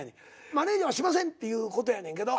マネージャーはしませんっていうことやねんけど。